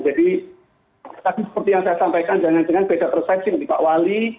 jadi seperti yang saya sampaikan jangan jangan beda persepsi pak wali